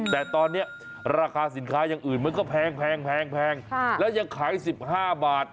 แต่ตอนนี้ราคาสินค้าอย่างอื่นมันก็แพงแล้วยังขาย๑๕บาท